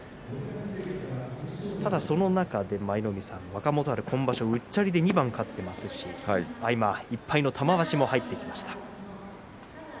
ただ、その中で、若元春今場所うっちゃりで２番、勝っていますし今１敗の玉鷲も入ってきました。